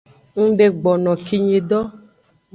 Ngdegbono no kinyi do.